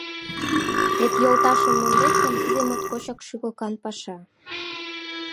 Вет йолташым мондет гын, тиде моткочак шӱлыкан паша.